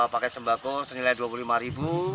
paket sembako senilai dua puluh lima ribu